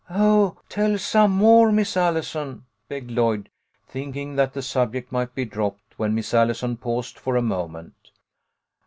" Oh, tell some more, Miss Allison," begged Lloyd, thinking that the subject might be dropped, when Miss Allison paused for a moment.